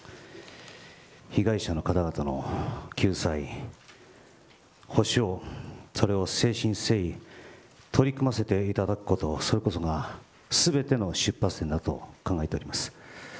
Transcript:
被害者の方々の救済補償、それを誠心誠意取り組ませていただくことをそれこそがすべての出発点だと考えております。